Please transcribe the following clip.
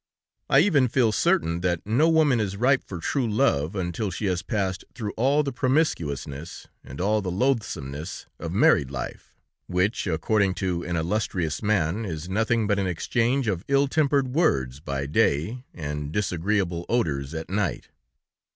I even feel certain that no woman is ripe for true love until she has passed through all the promiscuousness and all the loathsomeness of married life, which, according to an illustrious man, is nothing but an exchange of ill tempered words by day, and disagreeable odors at night.